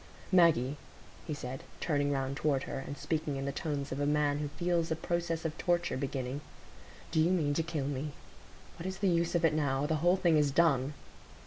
"Maggie," he said, turning round toward her, and speaking in the tones of a man who feels a process of torture beginning, "do you mean to kill me? What is the use of it now? The whole thing is done."